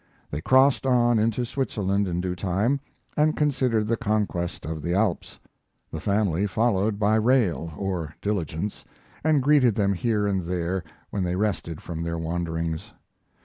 They crossed on into Switzerland in due time and considered the conquest of the Alps. The family followed by rail or diligence, and greeted them here and there when they rested from their wanderings.